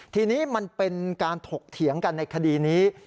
ทีนี้มันเป็นการถกเถียงกันในคดีนี้